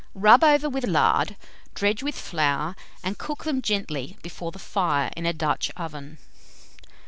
Rub over with lard, dredge with flour, and cook them gently before the fire in a Dutch oven.